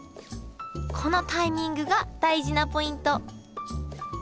このタイミングが大事なポイント